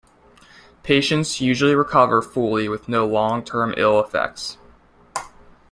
Patients usually recover fully with no long term ill effects.